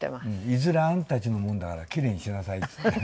いずれあんたたちのものだからキレイにしなさいっつってね。